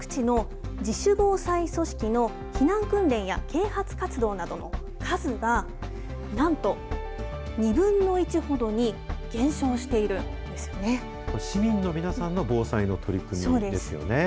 各地の自主防災組織の避難訓練や啓発活動の数が、なんと２分の１市民の皆さんの防災の取り組みですよね。